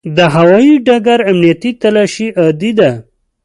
د هوایي ډګر امنیتي تلاشي عادي ده.